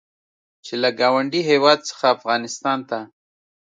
چې له ګاونډي هېواد څخه افغانستان ته